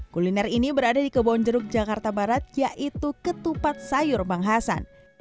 kuliner ini berada di kebonjeruk jakarta barat yaitu ketupat sayur bang hasan